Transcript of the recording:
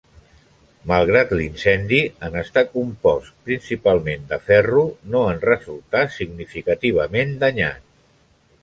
Malgrat l'incendi, en estar compost principalment de ferro no en resultà significativament danyat.